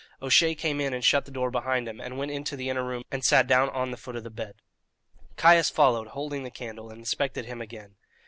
O'Shea came in and shut the door behind him, and went into the inner room and sat down on the foot of the bed. Caius followed, holding the candle, and inspected him again.